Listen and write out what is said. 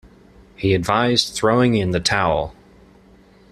He advised throwing in the towel.